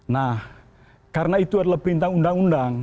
nah karena itu adalah perintah undang undang